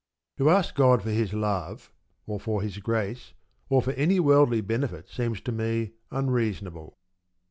To ask God for His love, or for His grace, or for any worldly benefit seems to me unreasonable.